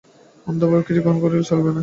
অন্ধভাবে কিছুই গ্রহণ করিলে চলিবে না।